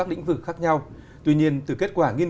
tiếp cận với bốn